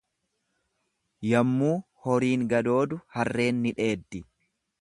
Yammuu horiin gadoodu harreen ni dheeddi.